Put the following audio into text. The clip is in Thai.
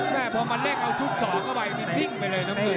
เนอะพอมันเล่นชุดสองไปมีบิ้งไปเลย